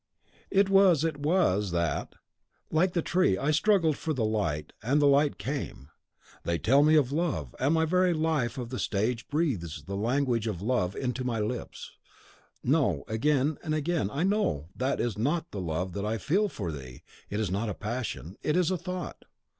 It was it was, that, like the tree, I struggled for the light, and the light came. They tell me of love, and my very life of the stage breathes the language of love into my lips. No; again and again, I know THAT is not the love that I feel for thee! it is not a passion, it is a thought!